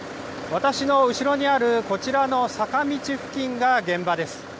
私の後ろにあるこちらの坂道付近が現場です。